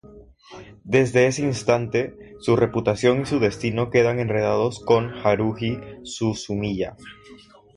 Desde ese instante, su reputación y su destino quedan enredados con Haruhi Suzumiya.